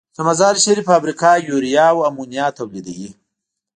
د مزارشریف فابریکه یوریا او امونیا تولیدوي.